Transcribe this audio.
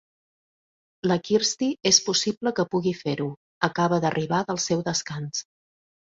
La Kirsty és possible que pugui fer-ho; acaba d'arribar del seu descans.